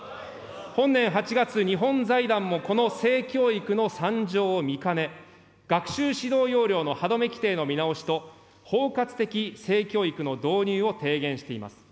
本年８月、日本財団もこの性教育の惨状を見かね、学習指導要領の歯止め規定の見直しと、包括的性教育の導入を提言しています。